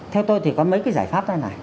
theo tôi thì có mấy cái giải pháp ra này